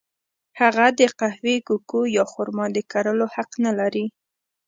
هغه د قهوې، کوکو یا خرما د کرلو حق نه لري.